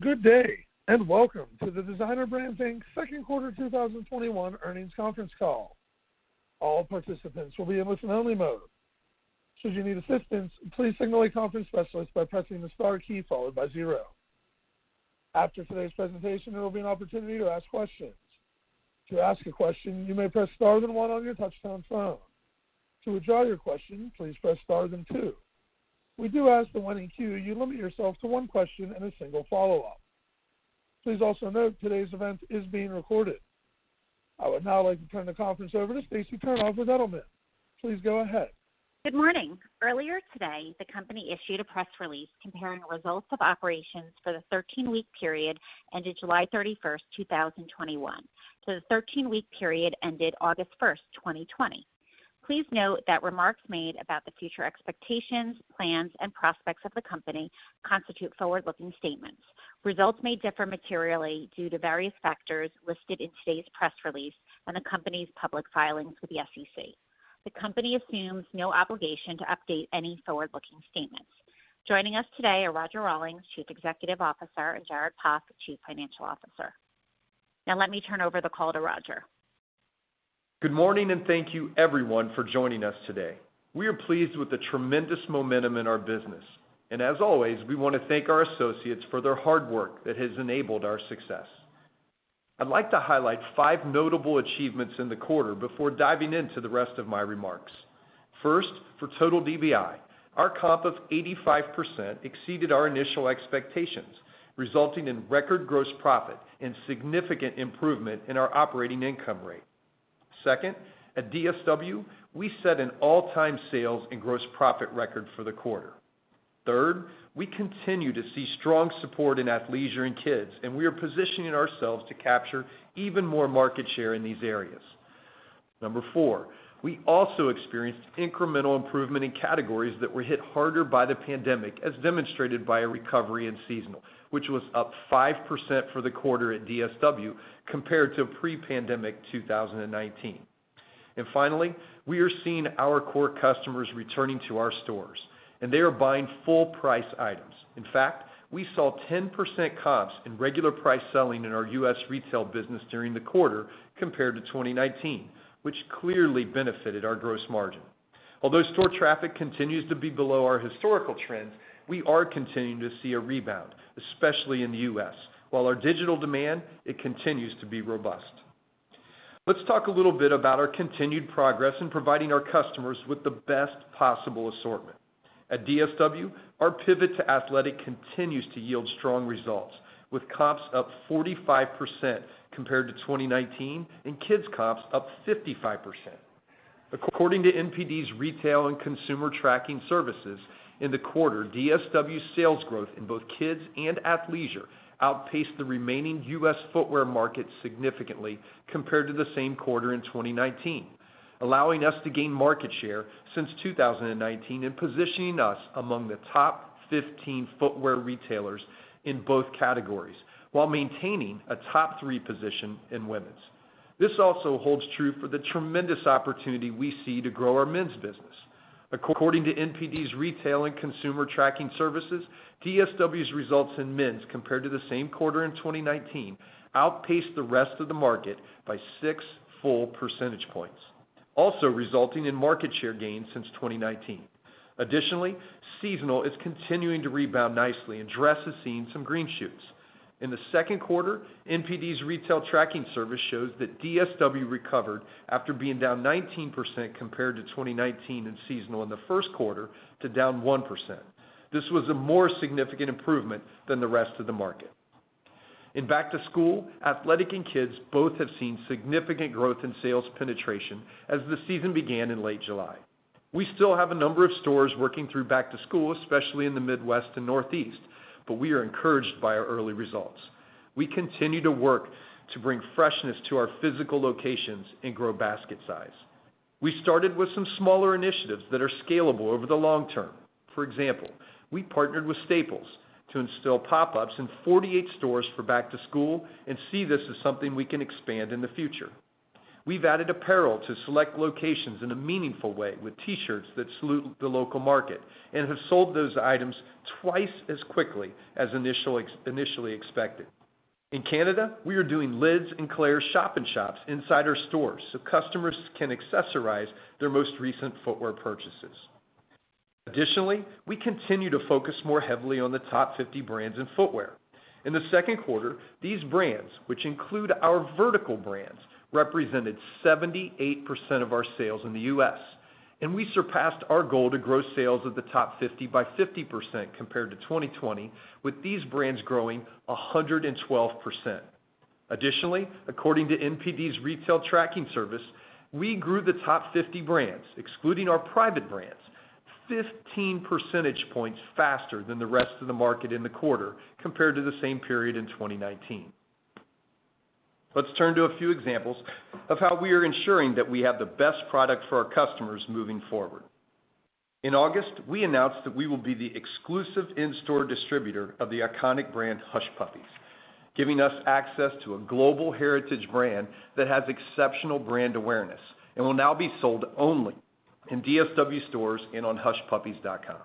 Good day, welcome to the Designer Brands Inc.'s second quarter 2021 earnings conference call. All participants will be in listen-only mode. Should you need assistance, please signal a conference specialist by pressing the star key, followed by zero. After today's presentation, there will be an opportunity to ask questions. To ask a question, you may press star then one on your touch-tone phone. To withdraw your question, please press star then two. We do ask the one in queue, you limit yourself to one question and a single follow-up. Please also note today's event is being recorded. I would now like to turn the conference over to Stacy Turnof with Edelman. Please go ahead. Good morning. Earlier today, the company issued a press release comparing results of operations for the 13-week period ended July 31, 2021 to the 13-week period ended August 1st, 2020. Please note that remarks made about the future expectations, plans, and prospects of the company constitute forward-looking statements. Results may differ materially due to various factors listed in today's press release and the company's public filings with the SEC. The company assumes no obligation to update any forward-looking statements. Joining us today are Roger Rawlins, Chief Executive Officer, and Jared Poff, Chief Financial Officer. Now let me turn over the call to Roger. Good morning, and thank you everyone for joining us today. We are pleased with the tremendous momentum in our business. As always, we want to thank our associates for their hard work that has enabled our success. I'd like to highlight five notable achievements in the quarter before diving into the rest of my remarks. First, for total DBI, our comp of 85% exceeded our initial expectations, resulting in record gross profit and significant improvement in our operating income rate. Second, at DSW, we set an all-time sales and gross profit record for the quarter. Third, we continue to see strong support in athleisure and kids, and we are positioning ourselves to capture even more market share in these areas. Number four, we also experienced incremental improvement in categories that were hit harder by the pandemic, as demonstrated by a recovery in seasonal, which was up 5% for the quarter at DSW compared to pre-pandemic 2019. Finally, we are seeing our core customers returning to our stores, and they are buying full-price items. In fact, we saw 10% comps in regular price selling in our U.S. retail business during the quarter compared to 2019, which clearly benefited our gross margin. Although store traffic continues to be below our historical trends, we are continuing to see a rebound, especially in the U.S., while our digital demand, it continues to be robust. Let's talk a little bit about our continued progress in providing our customers with the best possible assortment. At DSW, our pivot to athletic continues to yield strong results, with comps up 45% compared to 2019 and kids comps up 55%. According to NPD's Retail and Consumer Tracking Services, in the quarter, DSW sales growth in both kids and athleisure outpaced the remaining U.S. footwear market significantly compared to the same quarter in 2019, allowing us to gain market share since 2019 and positioning us among the top 15 footwear retailers in both categories, while maintaining a top three position in women's. This also holds true for the tremendous opportunity we see to grow our men's business. According to NPD's Retail and Consumer Tracking Services, DSW's results in men's compared to the same quarter in 2019 outpaced the rest of the market by 6 full percentage points, also resulting in market share gains since 2019. Seasonal is continuing to rebound nicely, and dress is seeing some green shoots. In the second quarter, NPD's Retail Tracking Service shows that DSW recovered after being down 19% compared to 2019 in seasonal in the first quarter to down 1%. This was a more significant improvement than the rest of the market. In back to school, athletic and kids both have seen significant growth in sales penetration as the season began in late July. We still have a number of stores working through back to school, especially in the Midwest and Northeast, we are encouraged by our early results. We continue to work to bring freshness to our physical locations and grow basket size. We started with some smaller initiatives that are scalable over the long term. For example, we partnered with Staples to install pop-ups in 48 stores for back to school and see this as something we can expand in the future. We've added apparel to select locations in a meaningful way with T-shirts that salute the local market and have sold those items twice as quickly as initially expected. In Canada, we are doing Lids and Claire's shop in shops inside our stores so customers can accessorize their most recent footwear purchases. Additionally, we continue to focus more heavily on the top 50 brands in footwear. In the second quarter, these brands, which include our vertical brands, represented 78% of our sales in the U.S. We surpassed our goal to grow sales of the top 50 by 50% compared to 2020, with these brands growing 112%. According to NPD's Retail Tracking Service, we grew the top 50 brands, excluding our private brands, 15 percentage points faster than the rest of the market in the quarter compared to the same period in 2019. Let's turn to a few examples of how we are ensuring that we have the best product for our customers moving forward. In August, we announced that we will be the exclusive in-store distributor of the iconic brand Hush Puppies, giving us access to a global heritage brand that has exceptional brand awareness and will now be sold only in DSW stores and on hushpuppies.com.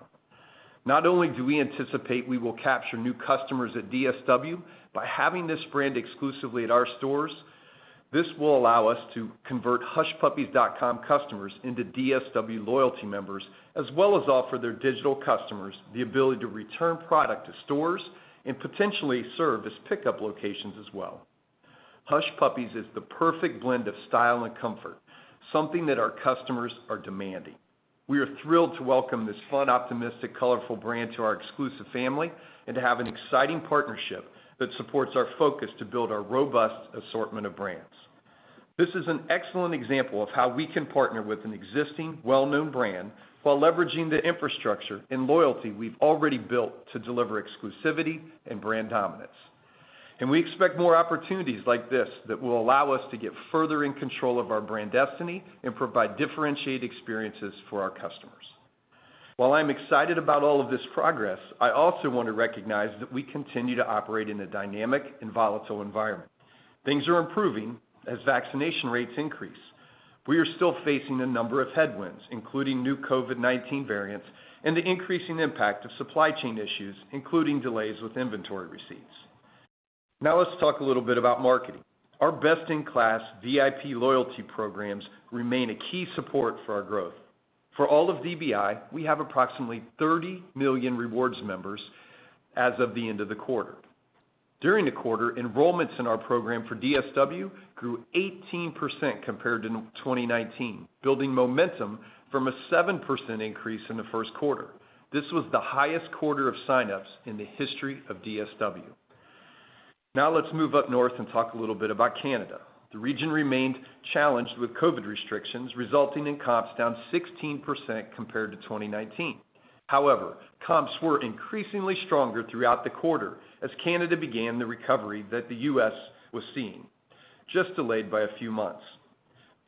Not only do we anticipate we will capture new customers at DSW by having this brand exclusively at our stores, this will allow us to convert hushpuppies.com customers into DSW loyalty members, as well as offer their digital customers the ability to return product to stores and potentially serve as pickup locations as well. Hush Puppies is the perfect blend of style and comfort, something that our customers are demanding. We are thrilled to welcome this fun, optimistic, colorful brand to our exclusive family and to have an exciting partnership that supports our focus to build our robust assortment of brands. This is an excellent example of how we can partner with an existing, well-known brand while leveraging the infrastructure and loyalty we've already built to deliver exclusivity and brand dominance. We expect more opportunities like this that will allow us to get further in control of our brand destiny and provide differentiated experiences for our customers. While I'm excited about all of this progress, I also want to recognize that we continue to operate in a dynamic and volatile environment. Things are improving as vaccination rates increase. We are still facing a number of headwinds, including new COVID-19 variants and the increasing impact of supply chain issues, including delays with inventory receipts. Now let's talk a little bit about marketing. Our best-in-class VIP loyalty programs remain a key support for our growth. For all of DBI, we have approximately 30 million rewards members as of the end of the quarter. During the quarter, enrollments in our program for DSW grew 18% compared to 2019, building momentum from a 7% increase in the first quarter. This was the highest quarter of signups in the history of DSW. Now let's move up north and talk a little bit about Canada. The region remained challenged with COVID restrictions, resulting in comps down 16% compared to 2019. However, comps were increasingly stronger throughout the quarter as Canada began the recovery that the U.S. was seeing, just delayed by a few months.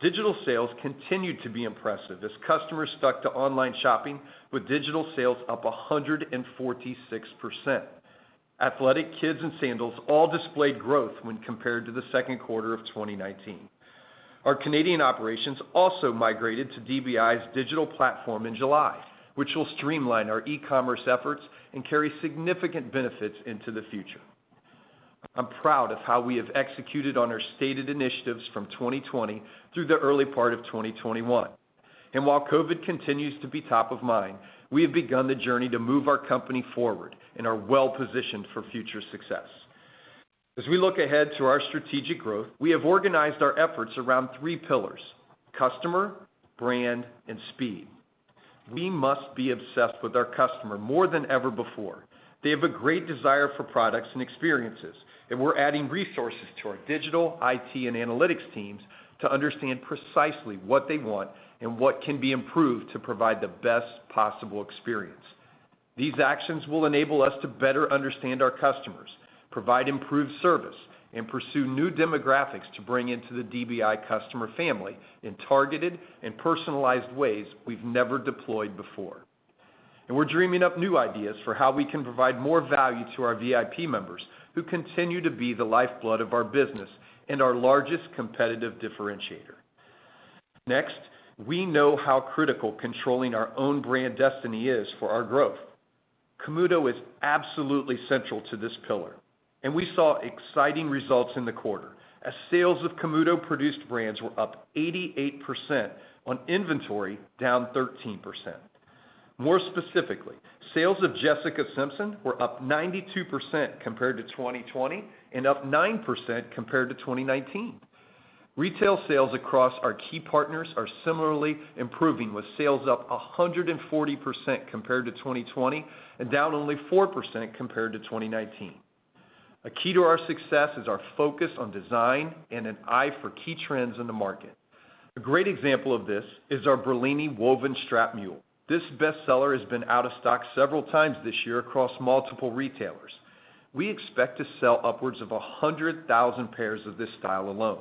Digital sales continued to be impressive as customers stuck to online shopping, with digital sales up 146%. Athletic kids and sandals all displayed growth when compared to the second quarter of 2019. Our Canadian operations also migrated to DBI's digital platform in July, which will streamline our e-commerce efforts and carry significant benefits into the future. I'm proud of how we have executed on our stated initiatives from 2020 through the early part of 2021. While COVID continues to be top of mind, we have begun the journey to move our company forward and are well-positioned for future success. As we look ahead to our strategic growth, we have organized our efforts around three pillars, customer, brand, and speed. We must be obsessed with our customer more than ever before. They have a great desire for products and experiences, and we're adding resources to our digital, IT, and analytics teams to understand precisely what they want and what can be improved to provide the best possible experience. These actions will enable us to better understand our customers, provide improved service, and pursue new demographics to bring into the DBI customer family in targeted and personalized ways we've never deployed before. We're dreaming up new ideas for how we can provide more value to our VIP members, who continue to be the lifeblood of our business and our largest competitive differentiator. Next, we know how critical controlling our own brand destiny is for our growth. Camuto is absolutely central to this pillar, and we saw exciting results in the quarter as sales of Camuto-produced brands were up 88% on inventory down 13%. More specifically, sales of Jessica Simpson were up 92% compared to 2020 and up 9% compared to 2019. Retail sales across our key partners are similarly improving, with sales up 140% compared to 2020 and down only 4% compared to 2019. A key to our success is our focus on design and an eye for key trends in the market. A great example of this is our Berlini woven strap mule. This bestseller has been out of stock several times this year across multiple retailers. We expect to sell upwards of 100,000 pairs of this style alone.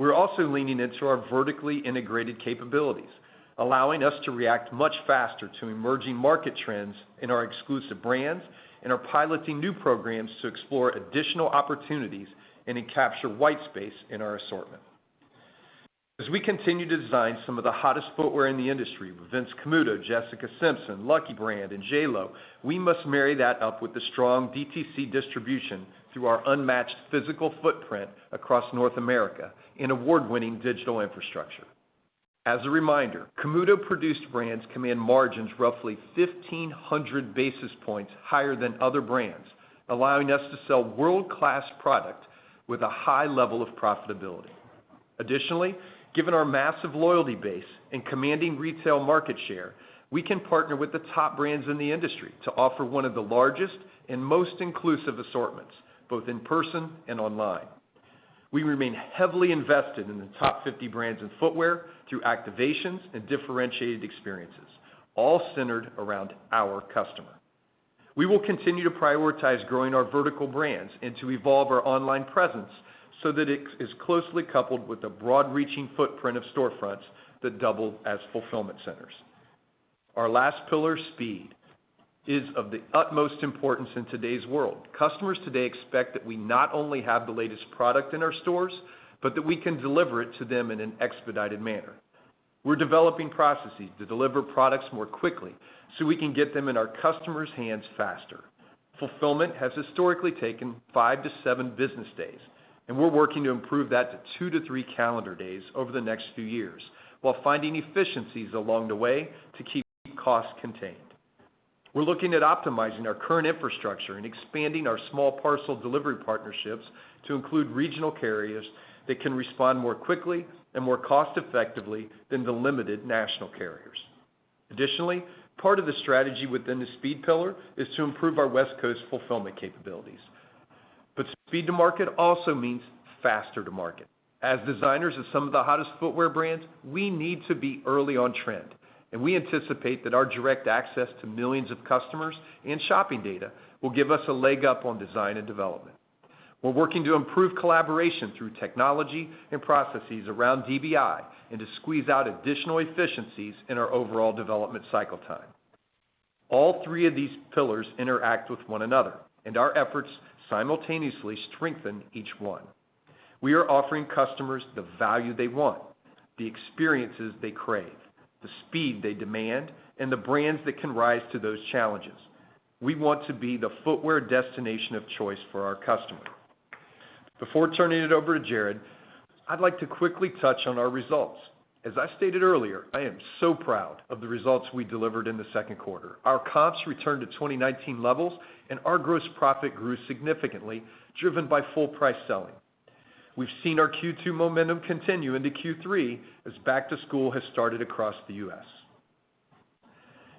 We're also leaning into our vertically integrated capabilities, allowing us to react much faster to emerging market trends in our exclusive brands and are piloting new programs to explore additional opportunities and to capture white space in our assortment. As we continue to design some of the hottest footwear in the industry with Vince Camuto, Jessica Simpson, Lucky Brand, and J.Lo, we must marry that up with the strong DTC distribution through our unmatched physical footprint across North America and award-winning digital infrastructure. As a reminder, Camuto-produced brands command margins roughly 1,500 basis points higher than other brands, allowing us to sell world-class product with a high level of profitability. Additionally, given our massive loyalty base and commanding retail market share, we can partner with the top 50 brands in the industry to offer one of the largest and most inclusive assortments, both in person and online. We remain heavily invested in the top 50 brands in footwear through activations and differentiated experiences, all centered around our customer. We will continue to prioritize growing our vertical brands and to evolve our online presence so that it is closely coupled with the broad-reaching footprint of storefronts that double as fulfillment centers. Our last pillar, speed, is of the utmost importance in today's world. Customers today expect that we not only have the latest product in our stores, but that we can deliver it to them in an expedited manner. We're developing processes to deliver products more quickly so we can get them in our customers' hands faster. Fulfillment has historically taken five to seven business days, and we're working to improve that to two to three calendar days over the next few years while finding efficiencies along the way to keep costs contained. We're looking at optimizing our current infrastructure and expanding our small parcel delivery partnerships to include regional carriers that can respond more quickly and more cost-effectively than the limited national carriers. Additionally, part of the strategy within the speed pillar is to improve our West Coast fulfillment capabilities. Speed to market also means faster to market. As designers of some of the hottest footwear brands, we need to be early on trend, and we anticipate that our direct access to millions of customers and shopping data will give us a leg up on design and development. We're working to improve collaboration through technology and processes around DBI and to squeeze out additional efficiencies in our overall development cycle time. All three of these pillars interact with one another, and our efforts simultaneously strengthen each one. We are offering customers the value they want, the experiences they crave, the speed they demand, and the brands that can rise to those challenges. We want to be the footwear destination of choice for our customer. Before turning it over to Jared, I'd like to quickly touch on our results. As I stated earlier, I am so proud of the results we delivered in the second quarter. Our comps returned to 2019 levels, and our gross profit grew significantly, driven by full price selling. We've seen our Q2 momentum continue into Q3 as back to school has started across the U.S.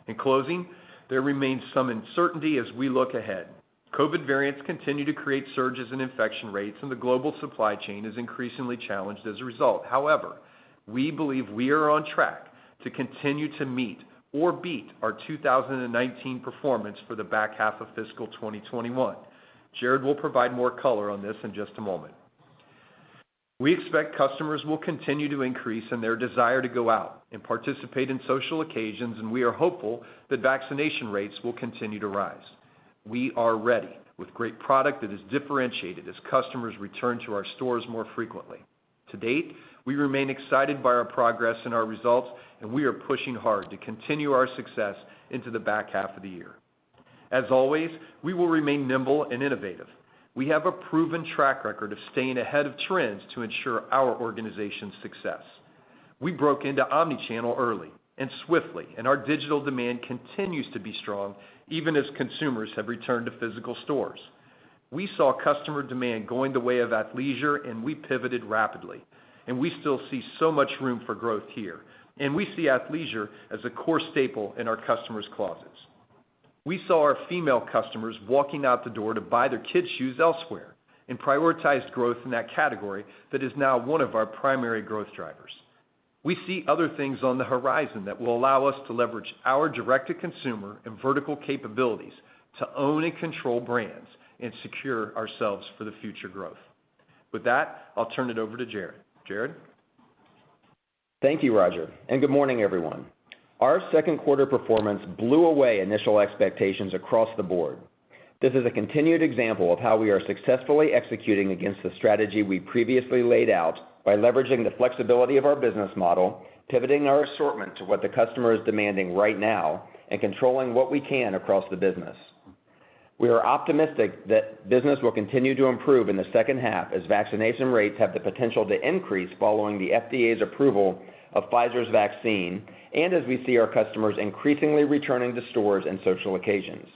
In closing, there remains some uncertainty as we look ahead. COVID variants continue to create surges in infection rates, and the global supply chain is increasingly challenged as a result. However, we believe we are on track to continue to meet or beat our 2019 performance for the back half of fiscal 2021. Jared will provide more color on this in just a moment. We expect customers will continue to increase in their desire to go out and participate in social occasions, and we are hopeful that vaccination rates will continue to rise. We are ready with great product that is differentiated as customers return to our stores more frequently. To date, we remain excited by our progress and our results, and we are pushing hard to continue our success into the back half of the year. As always, we will remain nimble and innovative. We have a proven track record of staying ahead of trends to ensure our organization's success. We broke into omni-channel early and swiftly, and our digital demand continues to be strong even as consumers have returned to physical stores. We saw customer demand going the way of athleisure, and we pivoted rapidly, and we still see so much room for growth here. We see athleisure as a core staple in our customers' closets. We saw our female customers walking out the door to buy their kids' shoes elsewhere and prioritized growth in that category that is now one of our primary growth drivers. We see other things on the horizon that will allow us to leverage our direct-to-consumer and vertical capabilities to own and control brands and secure ourselves for the future growth. With that, I'll turn it over to Jared. Jared? Thank you, Roger, good morning, everyone. Our second quarter performance blew away initial expectations across the board. This is a continued example of how we are successfully executing against the strategy we previously laid out by leveraging the flexibility of our business model, pivoting our assortment to what the customer is demanding right now, and controlling what we can across the business. We are optimistic that business will continue to improve in the second half as vaccination rates have the potential to increase following the FDA's approval of Pfizer's vaccine and as we see our customers increasingly returning to stores and social occasions.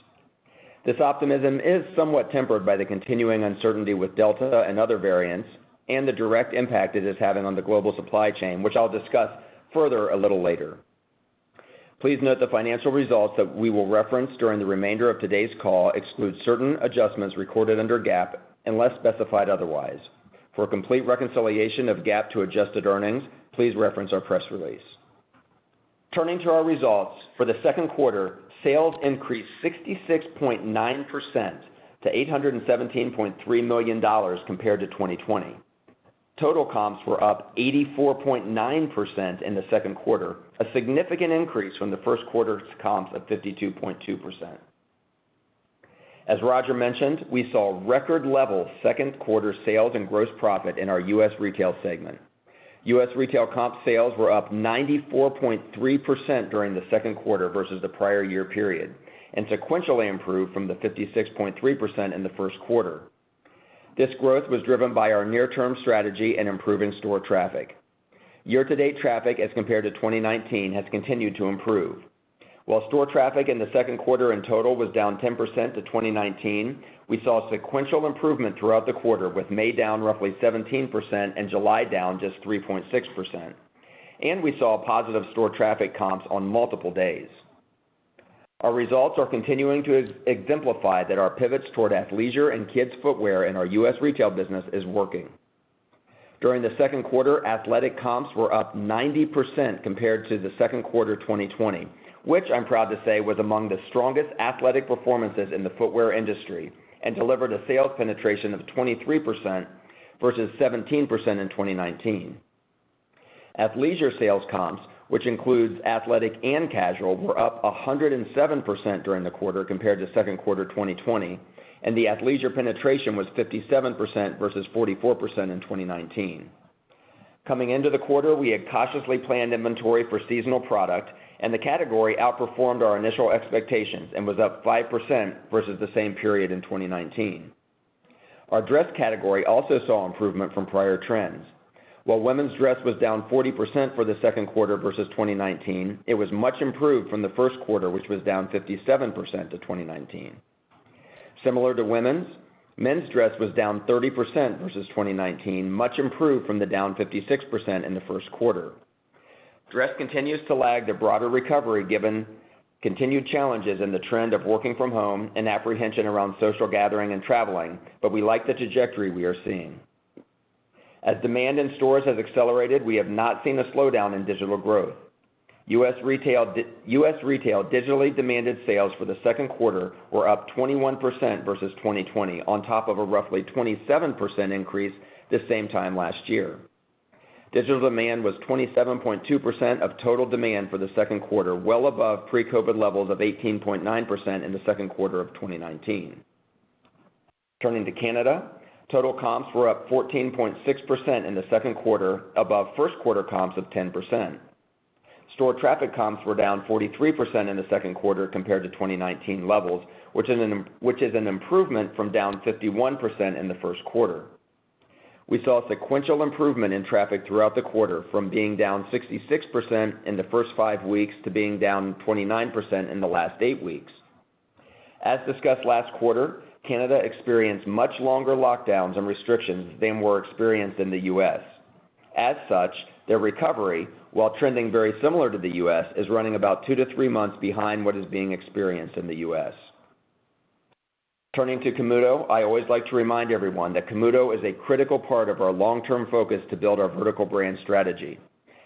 This optimism is somewhat tempered by the continuing uncertainty with Delta and other variants and the direct impact it is having on the global supply chain, which I'll discuss further a little later. Please note the financial results that we will reference during the remainder of today's call exclude certain adjustments recorded under GAAP, unless specified otherwise. For a complete reconciliation of GAAP to adjusted earnings, please reference our press release. Turning to our results for the second quarter, sales increased 66.9% to $817.3 million compared to 2020. Total comps were up 84.9% in the second quarter, a significant increase from the first quarter's comps of 52.2%. As Roger mentioned, we saw record level second quarter sales and gross profit in our U.S. retail segment. U.S. retail comp sales were up 94.3% during the second quarter versus the prior year period, and sequentially improved from the 56.3% in the first quarter. This growth was driven by our near-term strategy and improving store traffic. Year-to-date traffic as compared to 2019 has continued to improve. While store traffic in the second quarter in total was down 10% to 2019, we saw sequential improvement throughout the quarter with May down roughly 17% and July down just 3.6%. We saw positive store traffic comps on multiple days. Our results are continuing to exemplify that our pivots toward athleisure and kids footwear in our U.S. retail business is working. During the second quarter, athletic comps were up 90% compared to the second quarter 2020, which I'm proud to say was among the strongest athletic performances in the footwear industry and delivered a sales penetration of 23% versus 17% in 2019. Athleisure sales comps, which includes athletic and casual, were up 107% during the quarter compared to second quarter 2020, and the athleisure penetration was 57% versus 44% in 2019. Coming into the quarter, we had cautiously planned inventory for seasonal product, and the category outperformed our initial expectations and was up 5% versus the same period in 2019. Our dress category also saw improvement from prior trends. While women's dress was down 40% for the second quarter versus 2019, it was much improved from the first quarter, which was down 57% to 2019. Similar to women's, men's dress was down 30% versus 2019, much improved from the down 56% in the first quarter. Dress continues to lag the broader recovery given continued challenges in the trend of working from home and apprehension around social gathering and traveling, but we like the trajectory we are seeing. As demand in stores has accelerated, we have not seen a slowdown in digital growth. U.S. retail digitally demanded sales for the second quarter were up 21% versus 2020, on top of a roughly 27% increase the same time last year. Digital demand was 27.2% of total demand for the second quarter, well above pre-COVID levels of 18.9% in the second quarter of 2019. Turning to Canada, total comps were up 14.6% in the second quarter, above first quarter comps of 10%. Store traffic comps were down 43% in the second quarter compared to 2019 levels, which is an improvement from down 51% in the first quarter. We saw sequential improvement in traffic throughout the quarter, from being down 66% in the first five weeks to being down 29% in the last eight weeks. As discussed last quarter, Canada experienced much longer lockdowns and restrictions than were experienced in the U.S. As such, their recovery, while trending very similar to the U.S., is running about two to three months behind what is being experienced in the U.S. Turning to Camuto, I always like to remind everyone that Camuto is a critical part of our long-term focus to build our vertical brand strategy.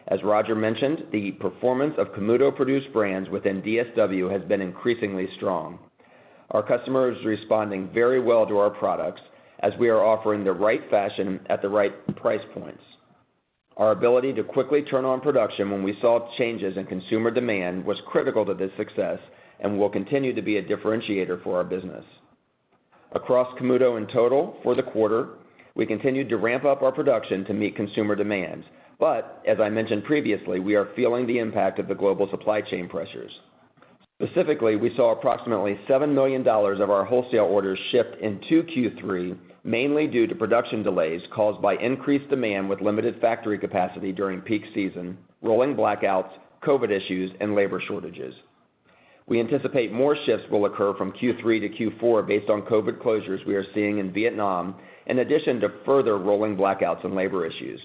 As Roger mentioned, the performance of Camuto-produced brands within DSW has been increasingly strong. Our customer is responding very well to our products as we are offering the right fashion at the right price points. Our ability to quickly turn on production when we saw changes in consumer demand was critical to this success and will continue to be a differentiator for our business. Across Camuto in total for the quarter, we continued to ramp up our production to meet consumer demand. As I mentioned previously, we are feeling the impact of the global supply chain pressures. Specifically, we saw approximately $7 million of our wholesale orders shift into Q3, mainly due to production delays caused by increased demand with limited factory capacity during peak season, rolling blackouts, COVID issues, and labor shortages. We anticipate more shifts will occur from Q3 to Q4 based on COVID closures we are seeing in Vietnam, in addition to further rolling blackouts and labor issues.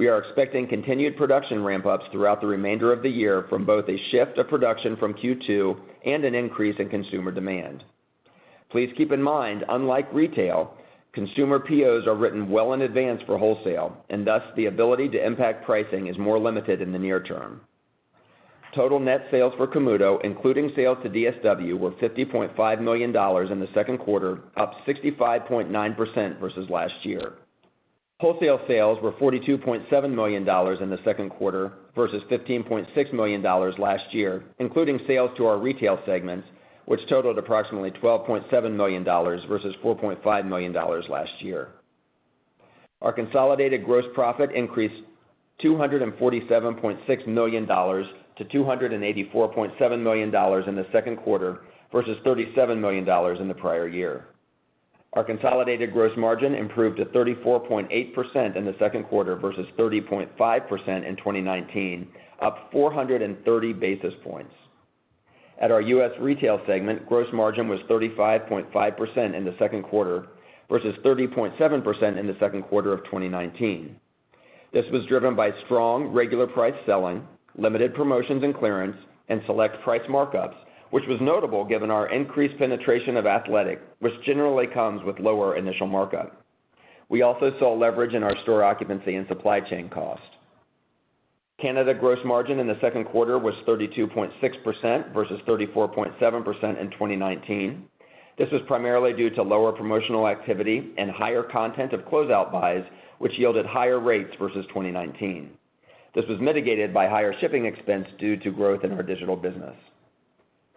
We are expecting continued production ramp-ups throughout the remainder of the year from both a shift of production from Q2 and an increase in consumer demand. Please keep in mind, unlike retail, consumer POs are written well in advance for wholesale. Thus, the ability to impact pricing is more limited in the near term. Total net sales for Camuto, including sales to DSW, were $50.5 million in the second quarter, up 65.9% versus last year. Wholesale sales were $42.7 million in the second quarter versus $15.6 million last year, including sales to our retail segments, which totaled approximately $12.7 million versus $4.5 million last year. Our consolidated gross profit increased $247.6 million to $284.7 million in the second quarter versus $37 million in the prior year. Our consolidated gross margin improved to 34.8% in the second quarter versus 30.5% in 2019, up 430 basis points. At our U.S. retail segment, gross margin was 35.5% in the second quarter versus 30.7% in the second quarter of 2019. This was driven by strong regular price selling, limited promotions and clearance, and select price markups, which was notable given our increased penetration of athletic, which generally comes with lower initial markup. We also saw leverage in our store occupancy and supply chain cost. Canada gross margin in the second quarter was 32.6% versus 34.7% in 2019. This was primarily due to lower promotional activity and higher content of closeout buys, which yielded higher rates versus 2019. This was mitigated by higher shipping expense due to growth in our digital business.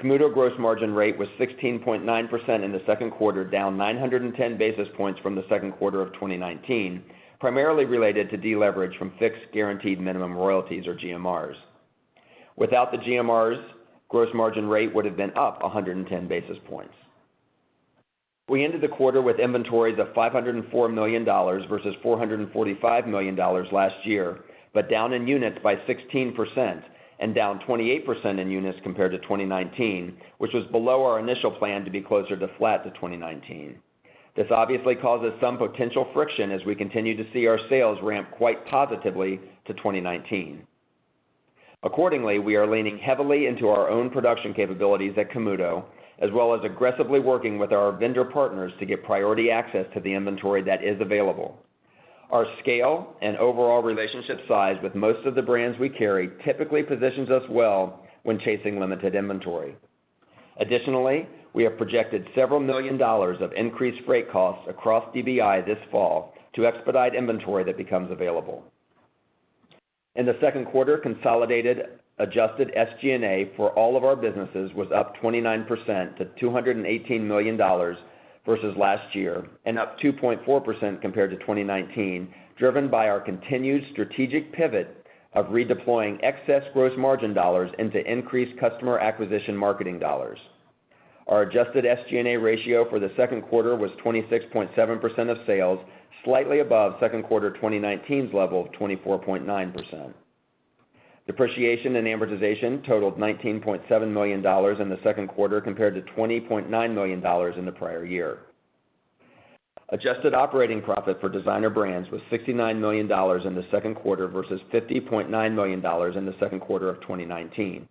Camuto gross margin rate was 16.9% in the second quarter, down 910 basis points from the second quarter of 2019, primarily related to deleverage from fixed guaranteed minimum royalties or GMRs. Without the GMRs, gross margin rate would have been up 110 basis points. We ended the quarter with inventories of $504 million versus $445 million last year, but down in units by 16% and down 28% in units compared to 2019, which was below our initial plan to be closer to flat to 2019. This obviously causes some potential friction as we continue to see our sales ramp quite positively to 2019. Accordingly, we are leaning heavily into our own production capabilities at Camuto, as well as aggressively working with our vendor partners to get priority access to the inventory that is available. Our scale and overall relationship size with most of the brands we carry typically positions us well when chasing limited inventory. Additionally, we have projected several million dollars of increased freight costs across DBI this fall to expedite inventory that becomes available. In the second quarter, consolidated adjusted SG&A for all of our businesses was up 29% to $218 million versus last year, and up 2.4% compared to 2019, driven by our continued strategic pivot of redeploying excess gross margin dollars into increased customer acquisition marketing dollars. Our adjusted SG&A ratio for the second quarter was 26.7% of sales, slightly above second quarter 2019's level of 24.9%. Depreciation and amortization totaled $19.7 million in the second quarter, compared to $20.9 million in the prior year. Adjusted operating profit for Designer Brands was $69 million in the second quarter versus $50.9 million in the second quarter of 2019.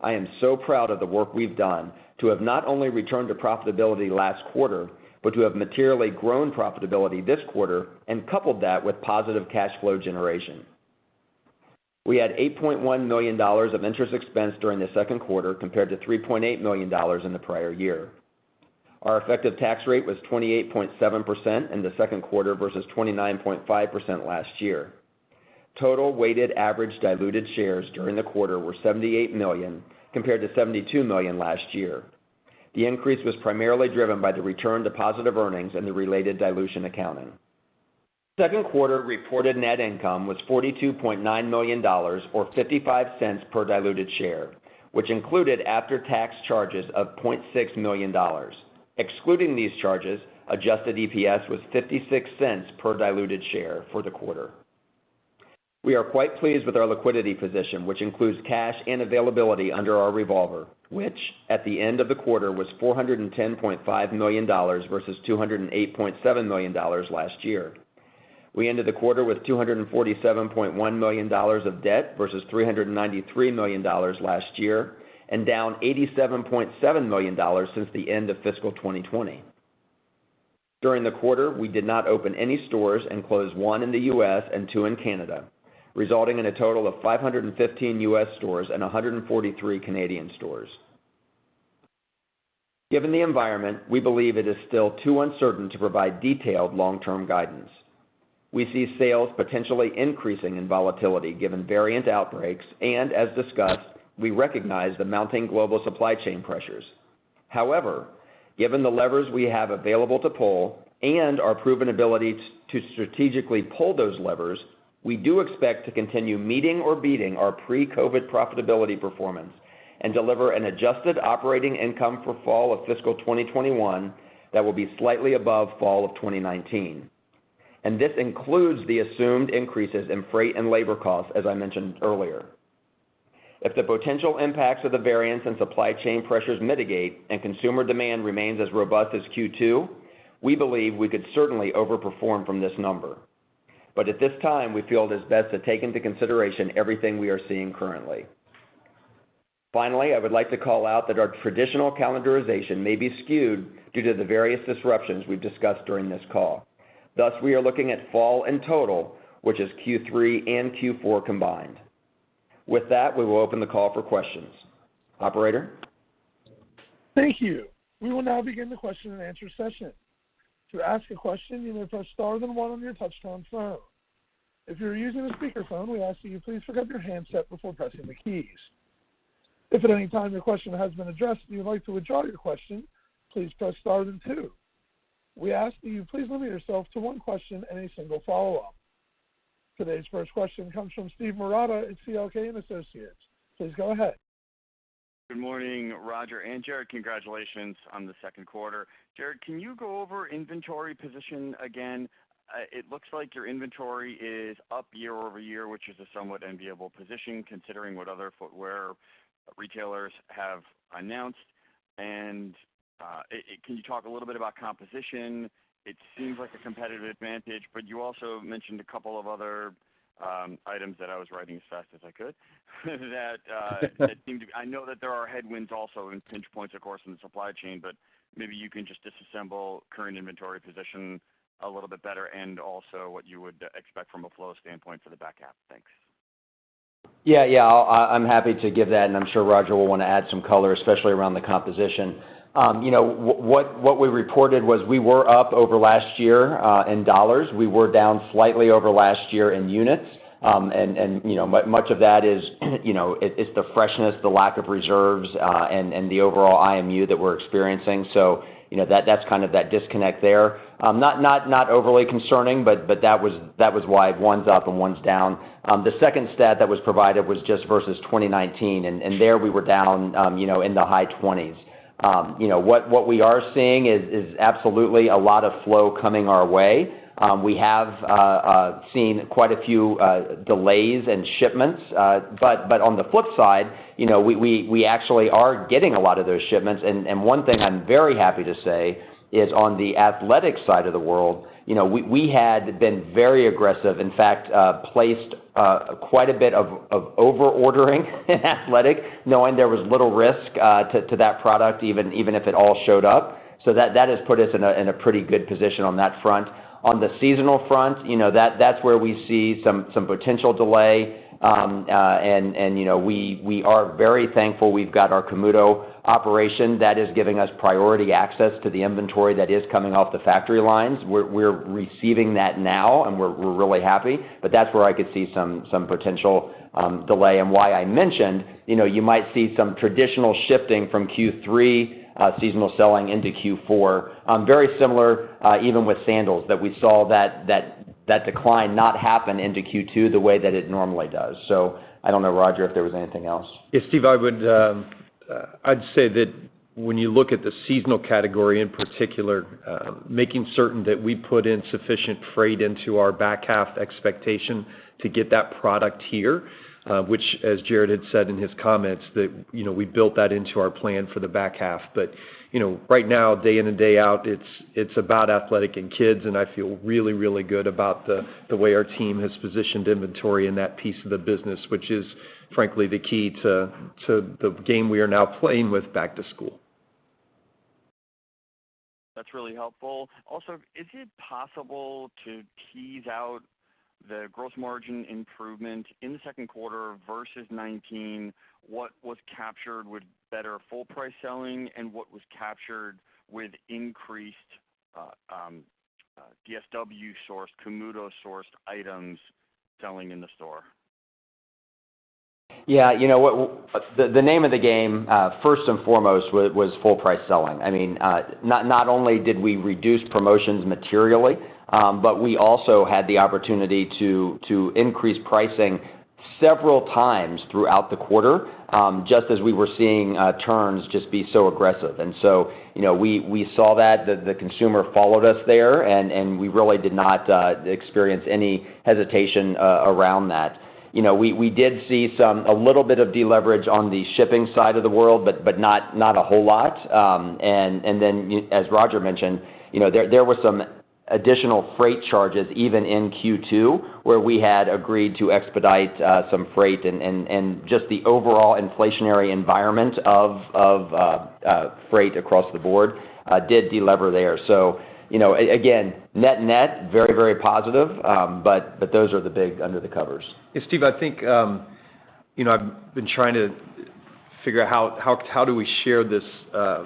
I am so proud of the work we've done to have not only returned to profitability last quarter, but to have materially grown profitability this quarter and coupled that with positive cash flow generation. We had $8.1 million of interest expense during the second quarter, compared to $3.8 million in the prior year. Our effective tax rate was 28.7% in the second quarter versus 29.5% last year. Total weighted average diluted shares during the quarter were 78 million, compared to 72 million last year. The increase was primarily driven by the return to positive earnings and the related dilution accounting. Second quarter reported net income was $42.9 million or $0.55 per diluted share, which included after-tax charges of $0.6 million. Excluding these charges, adjusted EPS was $0.56 per diluted share for the quarter. We are quite pleased with our liquidity position, which includes cash and availability under our revolver, which at the end of the quarter was $410.5 million versus $208.7 million last year. We ended the quarter with $247.1 million of debt versus $393 million last year, and down $87.7 million since the end of fiscal 2020. During the quarter, we did not open any stores and closed one in the U.S. and two in Canada, resulting in a total of 515 U.S. stores and 143 Canadian stores. Given the environment, we believe it is still too uncertain to provide detailed long-term guidance. We see sales potentially increasing in volatility given variant outbreaks, and as discussed, we recognize the mounting global supply chain pressures. However, given the levers we have available to pull and our proven ability to strategically pull those levers, we do expect to continue meeting or beating our pre-COVID-19 profitability performance and deliver an adjusted operating income for fall of fiscal 2021 that will be slightly above fall of 2019. This includes the assumed increases in freight and labor costs, as I mentioned earlier. If the potential impacts of the variants and supply chain pressures mitigate and consumer demand remains as robust as Q2, we believe we could certainly overperform from this number. At this time, we feel it is best to take into consideration everything we are seeing currently. I would like to call out that our traditional calendarization may be skewed due to the various disruptions we've discussed during this call. We are looking at fall in total, which is Q3 and Q4 combined. We will open the call for questions. Operator? Thank you. We will now begin the question and answer session. To ask a question, you may press star then one on your touchtone phone. If you're using a speakerphone, we ask that you please pick up your handset before pressing the keys. If at any time your question has been addressed and you'd like to withdraw your question, please press star then two. We ask that you please limit yourself to one question and a single follow-up. Today's first question comes from Steve Marotta at C.L. King & Associates. Please go ahead. Good morning, Roger and Jared. Congratulations on the second quarter. Jared, can you go over inventory position again? It looks like your inventory is up year-over-year, which is a somewhat enviable position considering what other footwear retailers have announced. Can you talk a little bit about composition? It seems like a competitive advantage, but you also mentioned a couple of other items that I was writing as fast as I could. I know that there are headwinds also and pinch points, of course, in the supply chain, but maybe you can just disassemble current inventory position a little bit better and also what you would expect from a flow standpoint for the back half. Thanks. Yeah. I'm happy to give that, and I'm sure Roger will want to add some color, especially around the composition. What we reported was we were up over last year in dollars. We were down slightly over last year in units. Much of that is the freshness, the lack of reserves, and the overall IMU that we're experiencing. That's kind of that disconnect there. Not overly concerning, but that was why one's up and one's down. The second stat that was provided was just versus 2019, there we were down in the high 20s. What we are seeing is absolutely a lot of flow coming our way. We have seen quite a few delays in shipments. On the flip side, we actually are getting a lot of those shipments. One thing I'm very happy to say is on the athletic side of the world, we had been very aggressive, in fact, placed quite a bit of over-ordering in athletic, knowing there was little risk to that product, even if it all showed up. That has put us in a pretty good position on that front. On the seasonal front, that's where we see some potential delay. We are very thankful we've got our Camuto operation that is giving us priority access to the inventory that is coming off the factory lines. We're receiving that now, and we're really happy. That's where I could see some potential delay and why I mentioned you might see some traditional shifting from Q3 seasonal selling into Q4. Very similar even with sandals, that we saw that decline not happen into Q2 the way that it normally does. I don't know, Roger, if there was anything else. Yeah, Steve, I'd say that when you look at the seasonal category in particular, making certain that we put in sufficient freight into our back half expectation to get that product here, which as Jared had said in his comments, that we built that into our plan for the back half. Right now, day in and day out, it's about athletic and kids, and I feel really, really good about the way our team has positioned inventory in that piece of the business, which is frankly, the key to the game we are now playing with back to school. That's really helpful. Is it possible to tease out the gross margin improvement in the second quarter versus 2019, what was captured with better full price selling and what was captured with increased DSW sourced, Camuto sourced items selling in the store? The name of the game, first and foremost, was full price selling. Not only did we reduce promotions materially, but we also had the opportunity to increase pricing several times throughout the quarter, just as we were seeing turns just be so aggressive. We saw that the consumer followed us there, and we really did not experience any hesitation around that. We did see a little bit of deleverage on the shipping side of the world, not a whole lot. As Roger mentioned, there was some additional freight charges even in Q2 where we had agreed to expedite some freight and just the overall inflationary environment of freight across the board did de-lever there. Again, net very, very positive. Those are the big under the covers. Steve, I've been trying to figure out how do we share this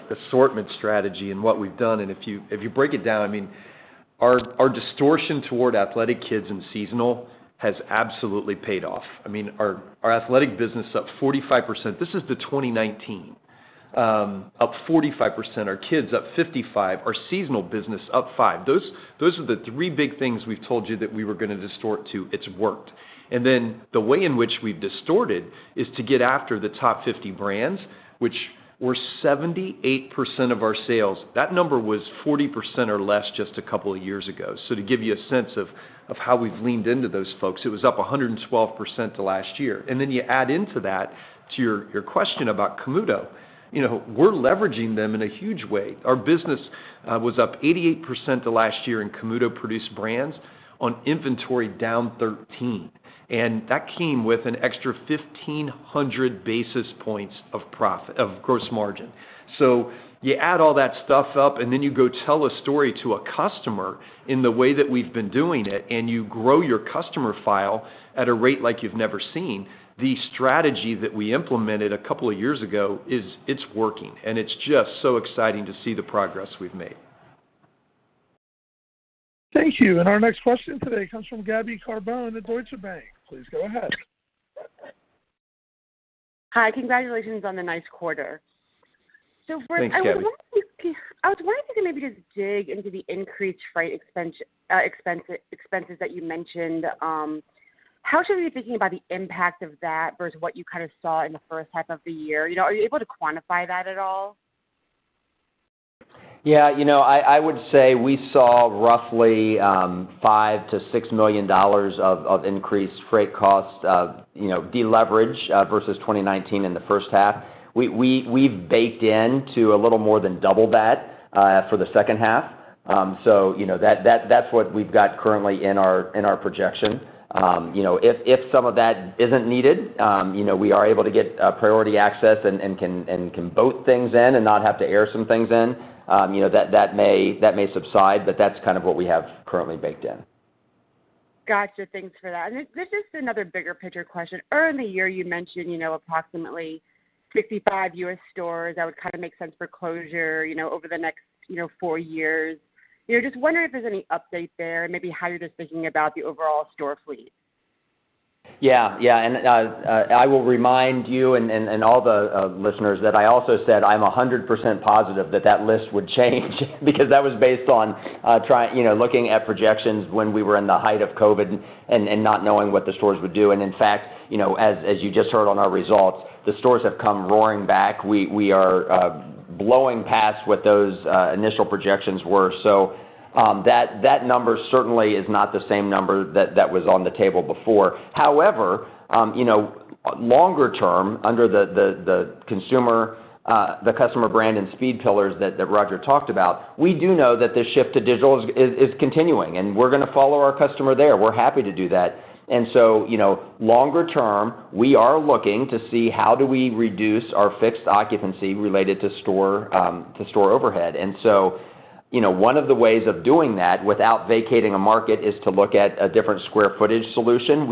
assortment strategy and what we've done, and if you break it down, our distortion toward athletic kids and seasonal has absolutely paid off. Our athletic business is up 45%. This is to 2019. Up 45%, our kids up 55%, our seasonal business up 5%. Those are the three big things we've told you that we were going to distort to, it's worked. The way in which we've distorted is to get after the top 50 brands, which were 78% of our sales. That number was 40% or less just a couple of years ago. To give you a sense of how we've leaned into those folks, it was up 112% to last year. You add into that, to your question about Camuto. We're leveraging them in a huge way. Our business was up 88% to last year in Camuto-produced brands on inventory down 13. That came with an extra 1,500 basis points of gross margin. You add all that stuff up, and then you go tell a story to a customer in the way that we've been doing it, and you grow your customer file at a rate like you've never seen. The strategy that we implemented a couple of years ago, it's working, and it's just so exciting to see the progress we've made. Thank you. Our next question today comes from Gaby Carbone at Deutsche Bank. Please go ahead. Hi. Congratulations on the nice quarter. Thanks, Gaby. I was wondering if you can maybe just dig into the increased freight expenses that you mentioned. How should we be thinking about the impact of that versus what you saw in the first half of the year? Are you able to quantify that at all? Yeah. I would say we saw roughly $5 to $6 million of increased freight costs deleverage versus 2019 in the first half. We've baked in to a little more than double that for the second half. That's what we've got currently in our projection. If some of that isn't needed, we are able to get priority access and can boat things in and not have to air some things in. That may subside, but that's what we have currently baked in. Got you. Thanks for that. This is another bigger picture question. Early in the year, you mentioned approximately 55 U.S. stores that would make sense for closure over the next 4 years. Just wondering if there's any update there and maybe how you're just thinking about the overall store fleet. Yeah. I will remind you and all the listeners that I also said I'm 100% positive that that list would change because that was based on looking at projections when we were in the height of COVID-19 and not knowing what the stores would do. In fact, as you just heard on our results, the stores have come roaring back. We are blowing past what those initial projections were. That number certainly is not the same number that was on the table before. However, longer term, under the customer brand and speed pillars that Roger talked about, we do know that the shift to digital is continuing, and we're going to follow our customer there. We're happy to do that. Longer term, we are looking to see how do we reduce our fixed occupancy related to store overhead. One of the ways of doing that without vacating a market is to look at a different square footage solution.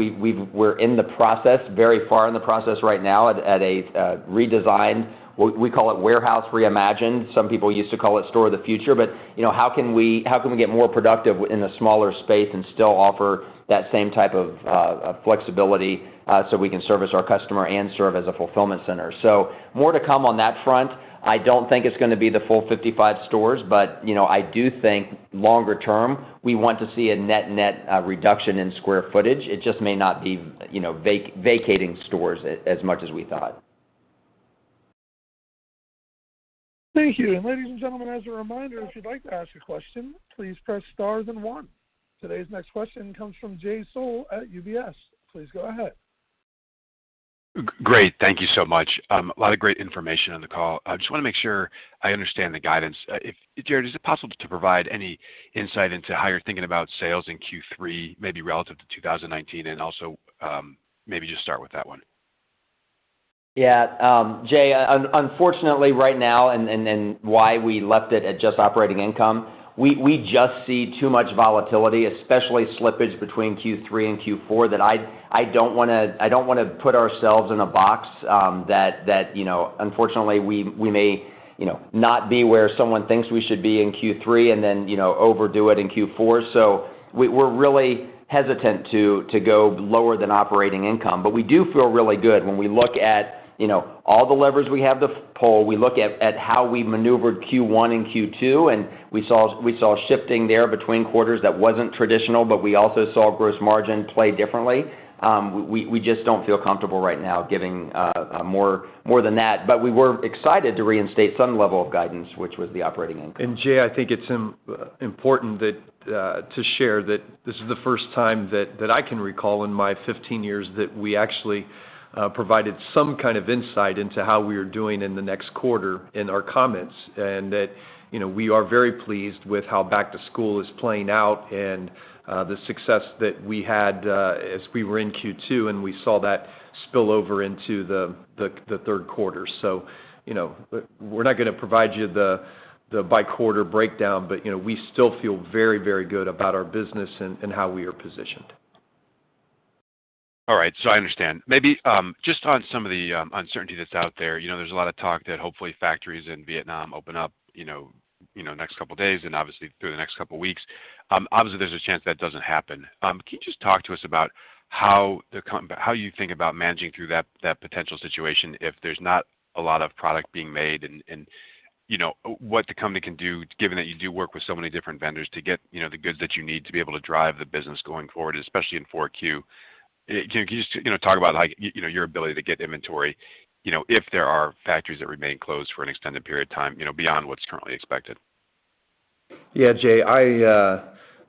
We're in the process, very far in the process right now at a redesign. We call it Warehouse Reimagined. Some people used to call it Store of the Future. How can we get more productive in a smaller space and still offer that same type of flexibility so we can service our customer and serve as a fulfillment center? More to come on that front. I don't think it's going to be the full 55 stores, I do think longer term, we want to see a net reduction in square footage. It just may not be vacating stores as much as we thought. Thank you. Ladies and gentlemen, as a reminder, if you'd like to ask a question, please press star then one. Today's next question comes from Jay Sole at UBS. Please go ahead. Great. Thank you so much. A lot of great information on the call. I just want to make sure I understand the guidance. Jared, is it possible to provide any insight into how you're thinking about sales in Q3, maybe relative to 2019? Also, maybe just start with that one. Jay, unfortunately right now, why we left it at just operating income, we just see too much volatility, especially slippage between Q3 and Q4 that I don't want to put ourselves in a box that unfortunately we may not be where someone thinks we should be in Q3 and then overdo it in Q4. We're really hesitant to go lower than operating income. We do feel really good when we look at all the levers we have to pull. We look at how we maneuvered Q1 and Q2, and we saw shifting there between quarters that wasn't traditional, but we also saw gross margin play differently. We just don't feel comfortable right now giving more than that. We were excited to reinstate some level of guidance, which was the operating income. Jay, I think it's important to share that this is the first time that I can recall in my 15 years that we actually provided some kind of insight into how we are doing in the next quarter in our comments. We are very pleased with how back to school is playing out and the success that we had as we were in Q2, and we saw that spill over into the third quarter. We're not going to provide you the by quarter breakdown, but we still feel very good about our business and how we are positioned. All right. I understand. Maybe just on some of the uncertainty that's out there. There's a lot of talk that hopefully factories in Vietnam open up next couple of days and obviously through the next couple of weeks. Obviously, there's a chance that doesn't happen. Can you just talk to us about how you think about managing through that potential situation if there's not a lot of product being made and what the company can do, given that you do work with so many different vendors to get the goods that you need to be able to drive the business going forward, especially in 4Q? Can you just talk about your ability to get inventory if there are factories that remain closed for an extended period of time beyond what's currently expected? Yeah, Jay,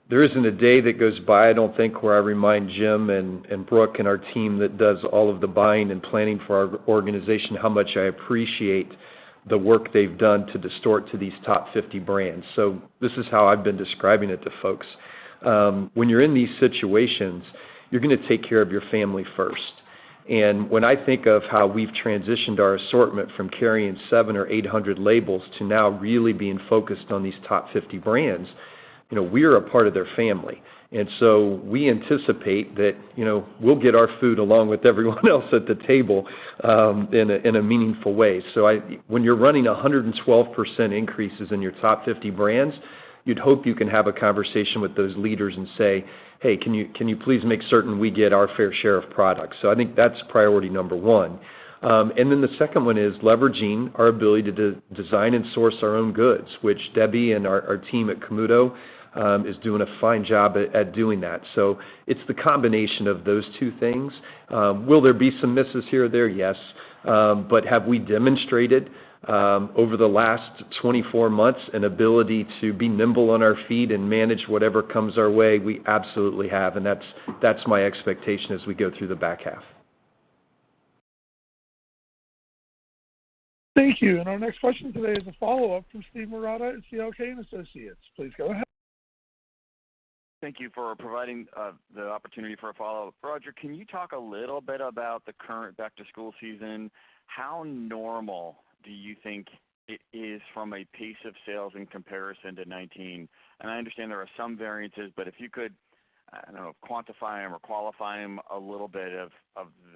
there isn't a day that goes by, I don't think, where I remind Jim and Brooke and our team that does all of the buying and planning for our organization, how much I appreciate the work they've done to distort to these top 50 brands. This is how I've been describing it to folks. When you're in these situations, you're going to take care of your family first. When I think of how we've transitioned our assortment from carrying 700 or 800 labels to now really being focused on these top 50 brands, we're a part of their family. We anticipate that we'll get our food along with everyone else at the table in a meaningful way. When you're running 112% increases in your top 50 brands, you'd hope you can have a conversation with those leaders and say, "Hey, can you please make certain we get our fair share of products?" I think that's priority number one. Then the second one is leveraging our ability to design and source our own goods, which Debbie and our team at Camuto is doing a fine job at doing that. It's the combination of those two things. Will there be some misses here or there? Yes. Have we demonstrated over the last 24 months an ability to be nimble on our feet and manage whatever comes our way? We absolutely have, and that's my expectation as we go through the back half. Thank you. Our next question today is a follow-up from Steve Marotta at C.L. King & Associates. Please go ahead. Thank you for providing the opportunity for a follow-up. Roger, can you talk a little bit about the current back-to-school season? How normal do you think it is from a pace of sales in comparison to 2019? I understand there are some variances, but if you could, I don't know, quantify them or qualify them a little bit of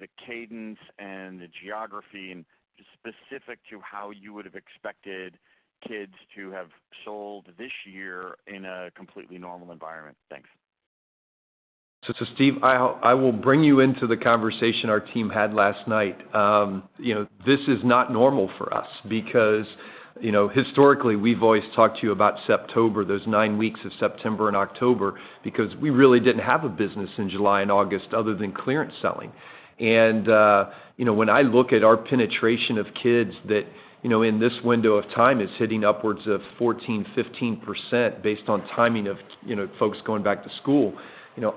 the cadence and the geography, and just specific to how you would have expected Kids to have sold this year in a completely normal environment. Thanks. Steve, I will bring you into the conversation our team had last night. This is not normal for us because historically, we've always talked to you about September, those nine weeks of September and October, because we really didn't have a business in July and August other than clearance selling. When I look at our penetration of Kids that in this window of time is hitting upwards of 14%-15% based on timing of folks going back to school,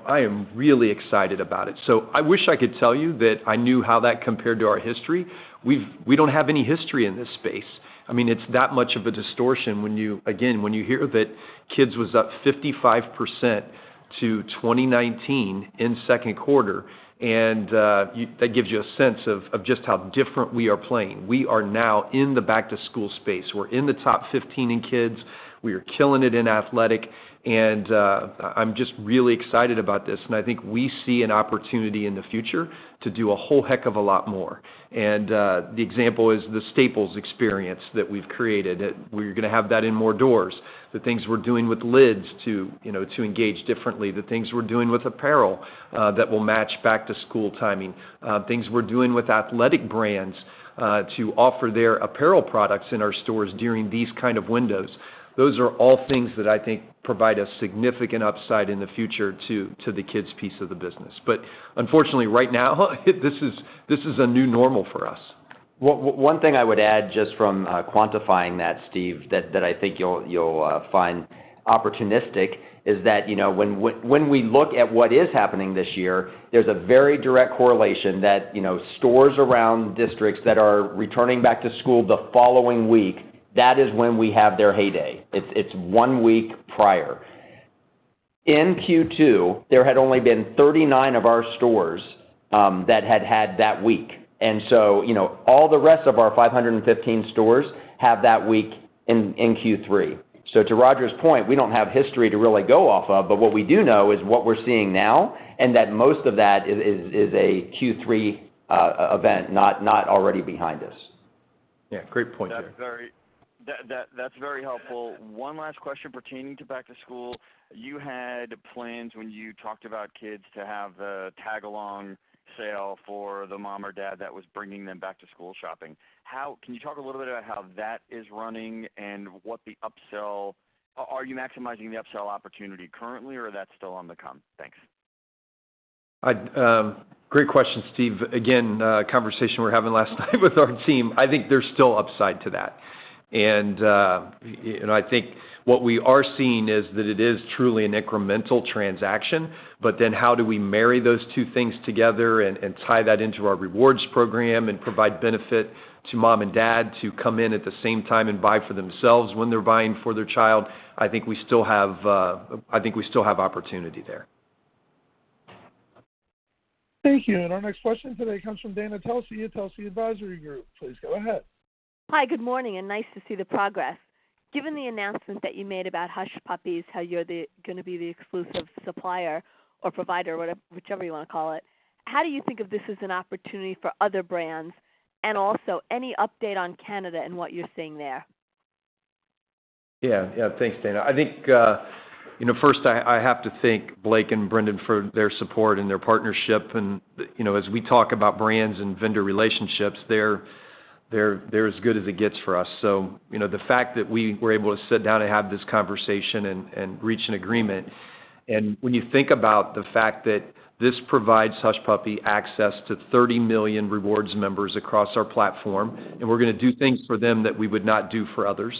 I am really excited about it. I wish I could tell you that I knew how that compared to our history. We don't have any history in this space. It's that much of a distortion when you, again, when you hear that Kids was up 55% to 2019 in second quarter, and that gives you a sense of just how different we are playing. We are now in the back-to-school space. We're in the top 15 in Kids. We are killing it in athletic, and I'm just really excited about this, and I think we see an opportunity in the future to do a whole heck of a lot more. The example is the Staples experience that we've created. We're going to have that in more doors. The things we're doing with Lids to engage differently. The things we're doing with apparel that will match back to school timing. Things we're doing with athletic brands to offer their apparel products in our stores during these kind of windows. Those are all things that I think provide a significant upside in the future to the Kids piece of the business. Unfortunately, right now, this is a new normal for us. One thing I would add just from quantifying that, Steve, that I think you'll find opportunistic is that when we look at what is happening this year, there's a very direct correlation that stores around districts that are returning back to school the following week, that is when we have their heyday. It's one week prior. In Q2, there had only been 39 of our stores that had had that week. All the rest of our 515 stores have that week in Q3. To Roger's point, we don't have history to really go off of, but what we do know is what we're seeing now, and that most of that is a Q3 event, not already behind us. Yeah, great point there. That's very helpful. One last question pertaining to back to school. You had plans when you talked about kids to have the tag-along sale for the mom or dad that was bringing them back to school shopping. Can you talk a little bit about how that is running and are you maximizing the upsell opportunity currently, or that's still on the come? Thanks. Great question, Steve. Again, conversation we were having last night with our team. I think there's still upside to that. I think what we are seeing is that it is truly an incremental transaction, but then how do we marry those two things together and tie that into our rewards program and provide benefit to mom and dad to come in at the same time and buy for themselves when they're buying for their child. I think we still have opportunity there. Thank you. Our next question today comes from Dana Telsey at Telsey Advisory Group. Please go ahead. Hi, good morning, and nice to see the progress. Given the announcement that you made about Hush Puppies, how you're going to be the exclusive supplier or provider, whichever you want to call it, how do you think of this as an opportunity for other brands? Also, any update on Canada and what you're seeing there? Yeah. Thanks, Dana. I think, first I have to thank Blake and Brendan for their support and their partnership. As we talk about brands and vendor relationships, they're as good as it gets for us. The fact that we were able to sit down and have this conversation and reach an agreement. When you think about the fact that this provides Hush Puppies access to 30 million rewards members across our platform, we're going to do things for them that we would not do for others.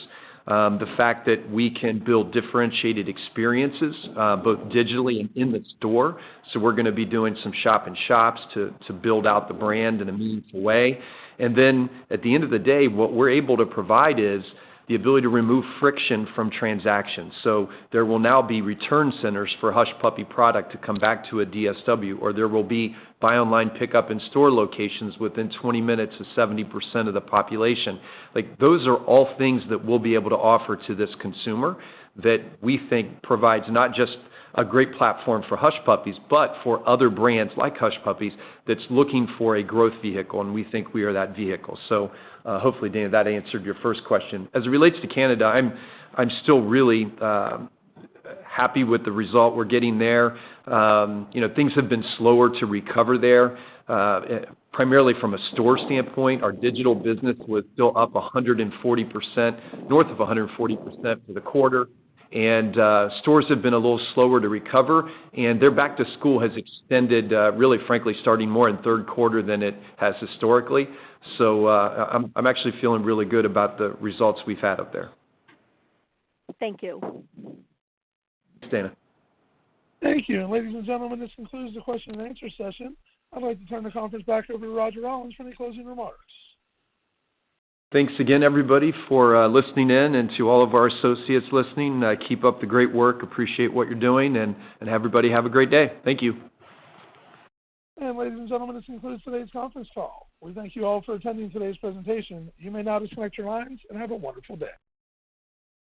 The fact that we can build differentiated experiences both digitally and in the store. We're going to be doing some shop in shops to build out the brand in a meaningful way. At the end of the day, what we're able to provide is the ability to remove friction from transactions. There will now be return centers for Hush Puppies product to come back to a DSW, or there will be buy online pickup in store locations within 20 minutes of 70% of the population. Those are all things that we'll be able to offer to this consumer that we think provides not just a great platform for Hush Puppies, but for other brands like Hush Puppies that's looking for a growth vehicle, and we think we are that vehicle. Hopefully, Dana, that answered your first question. As it relates to Canada, I'm still really happy with the result we're getting there. Things have been slower to recover there, primarily from a store standpoint. Our digital business was still up 140%, north of 140% for the quarter. Stores have been a little slower to recover, and their back to school has extended, really frankly, starting more in third quarter than it has historically. I'm actually feeling really good about the results we've had up there. Thank you. Thanks, Dana. Thank you. Ladies and gentlemen, this concludes the question and answer session. I'd like to turn the conference back over to Roger Rawlins for any closing remarks. Thanks again, everybody, for listening in and to all of our associates listening. Keep up the great work. Appreciate what you're doing, and everybody have a great day. Thank you. Ladies and gentlemen, this concludes today's conference call. We thank you all for attending today's presentation. You may now disconnect your lines, and have a wonderful day.